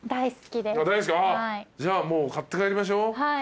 じゃあもう買って帰りましょう。